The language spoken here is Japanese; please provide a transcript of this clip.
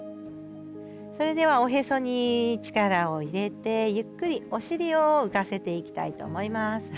それではおへそに力を入れてゆっくりお尻を浮かせていきたいと思います。